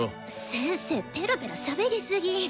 先生ペラぺラしゃべりすぎ。